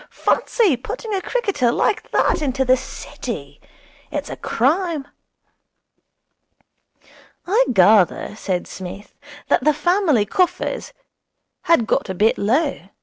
Fancy putting a cricketer like that into the City! It's a crime.' 'I gather,' said Psmith, 'that the family coffers had got a bit low.